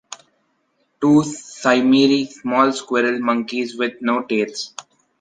Two saimiri, small squirrel monkeys with no tails.